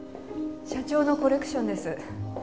社長のコレクションです。